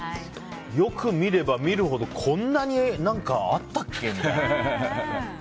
よく見れば見るほど、こんなにあったっけみたいな。